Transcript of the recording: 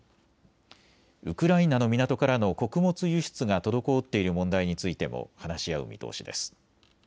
ウクライナの港からの穀物輸出が滞っている問題についても話し合う見通しです。